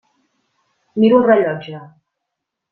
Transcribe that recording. Miro el rellotge.